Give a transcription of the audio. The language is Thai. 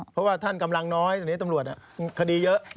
เพราะว่าท่านกำลังน้อยตอนนี้ตำรวจคดีเยอะ